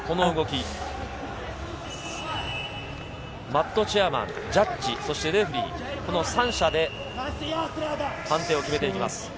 マットチェアマン、ジャッジ、そしてレフェリー、この３者で判定を決めてきます。